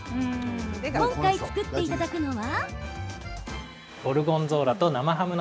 今回、作っていただくのは？